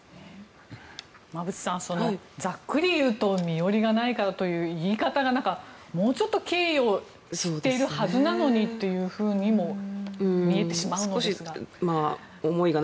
馬渕さん、ざっくりいうと身寄りがないからという言い方が何か、もうちょっと経緯を知っているはずなのにというふうにも見えてしまうんですが。